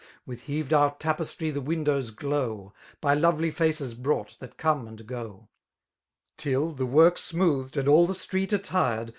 With heaved out tapestry the windows giow^ By loTely faces brought^ that come and go ; Till^ the work smoothed^ and all the street attined.